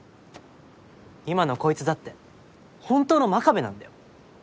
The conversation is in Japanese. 今のこいつだってホントの真壁なんだよ。